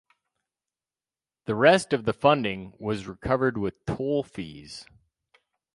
The rest of the funding was recovered with toll fees.